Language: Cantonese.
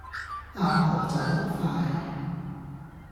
呀婆走得快